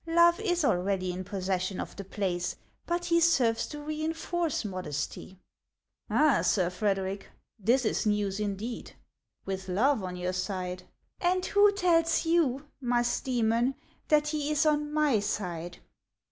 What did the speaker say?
Love is already in possession of the place, but he serves to reinforce Modesty." '' Ah, Sir Frederic, this is news indeed, — with Love on your side —"" And who tells you, Musdcemon, that he is on my side